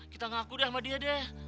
kita ngaku deh sama dia deh